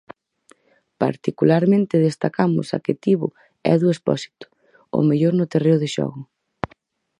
Particularmente destacamos a que tivo Edu Expósito, o mellor no terreo de xogo.